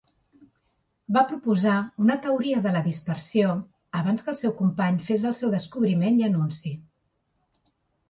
Va proposar una teoria de la dispersió abans que el seu company fes el seu descobriment i anunci.